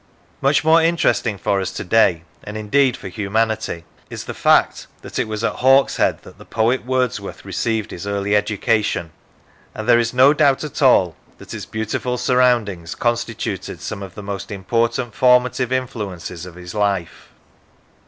Much more interesting for us to day, and indeed for humanity, is the fact that it was at Hawkshead that the poet Wordsworth received his early educa tion, and there is no doubt at all that its beautiful surroundings constituted some of the most important formative influences of his life.